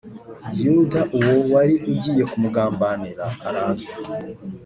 Yuda uwo wari ugiye kumugambanira araza